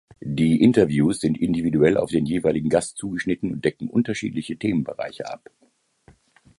Die Interviews sind individuell auf den jeweiligen Gast zugeschnitten und decken unterschiedliche Themenbereiche ab.